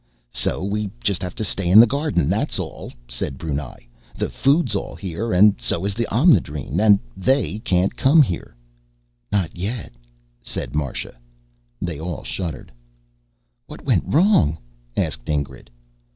"So we just have to stay in the garden, that's all," said Brunei. "The food's all here, and so is the Omnidrene. And they can't come here." "Not yet," said Marsha. They all shuddered. "What went wrong?" asked Ingrid.